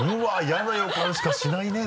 嫌な予感しかしないね